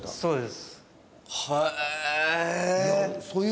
そうですね。